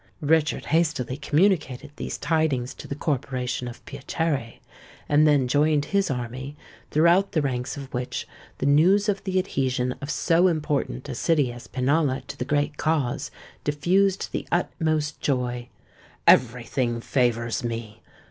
Richard hastily communicated these tidings to the corporation of Piacere, and then joined his army, throughout the ranks of which the news of the adhesion of so important a city as Pinalla to the great cause diffused the utmost joy. "Every thing favours me!"